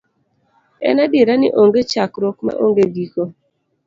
En adier ni onge chakruok ma onge giko.